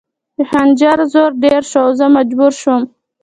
د خنجر زور ډېر شو او زه مجبوره شوم